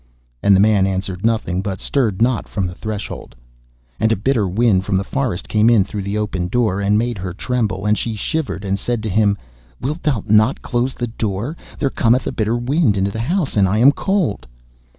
And the man answered nothing, but stirred not from the threshold. And a bitter wind from the forest came in through the open door, and made her tremble, and she shivered, and said to him: 'Wilt thou not close the door? There cometh a bitter wind into the house, and I am cold.